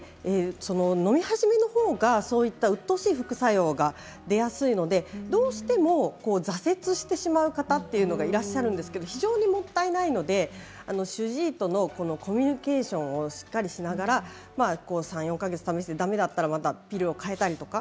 のみ始めのほうが、そういったうっとうしい副作用が出やすいのでどうしても挫折してしまう方というのがいらっしゃるんですけど非常にもったいないので主治医とのコミュニケーションをしっかりとしながら３、４か月試してだめだったらまたピルを変えたりとか